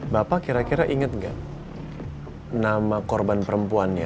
bapak kira kira inget gak nama korban perempuannya